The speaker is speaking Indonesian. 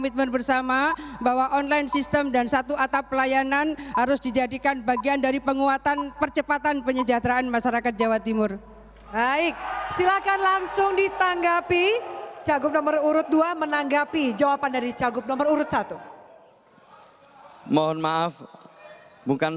tetapi banyak yang tidak